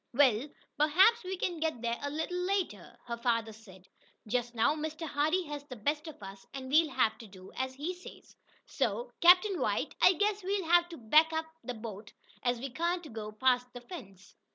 "Well, perhaps we can get there a little later," her father said. "Just now Mr. Hardee has the best of us, and we'll have to do as he says. So, Captain White, I guess we'll have to back up the boat, as we can't go past the fence."